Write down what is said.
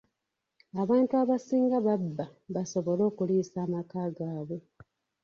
Abantu abasinga babba basobole okuliisa amaka gaabwe.